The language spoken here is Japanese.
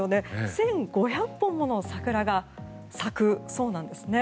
１５００本もの桜が咲くそうなんです。